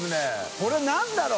これ何だろう？